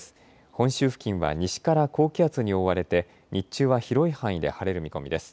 本州付近は西から高気圧に覆われて日中は広い範囲で晴れる見込みです。